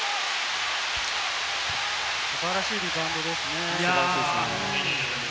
素晴らしいリバウンドですね。